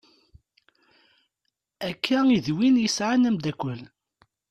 Akka i d win yesɛan amddakel.